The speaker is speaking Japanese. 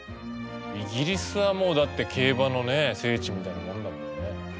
イギリスはもうだって競馬のね聖地みたいなもんだもんね。